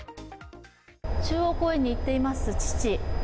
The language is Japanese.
中央公園に行っています、父。